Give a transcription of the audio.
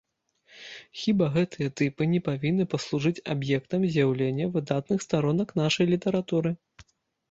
Хіба гэтыя тыпы не павінны паслужыць аб'ектам з'яўлення выдатных старонак нашай літаратуры?